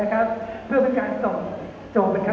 ก่อนเธอจะลาให้เธอจงเมาใจ